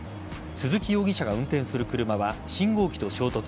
鈴木容疑者が運転する車は信号機と衝突。